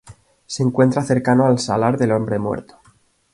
Se encuentra cercano al salar del Hombre Muerto.